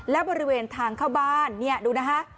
และบริเวณทางเข้าบ้านเนี่ยดูนะคะ